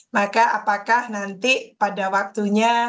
maka apakah nanti pada waktunya